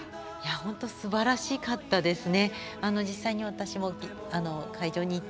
本当すばらしかったですね。